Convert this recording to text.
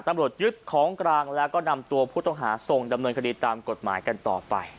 ตำรวจยึดของกลางแล้วก็นำตัวผู้ต้องหาส่งดำเนินคดีตามกฎหมายกันต่อไป